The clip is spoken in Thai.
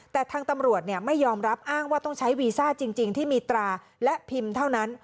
แต่ทางตำรวจไม่ยอมรับอ้างว่าต้องใช้วีซ่าจริงที่มีตราและพิมพ์เท่านั้น